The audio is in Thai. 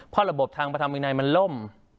เพราะระบบทางพระธรรมวินัยมันล่ม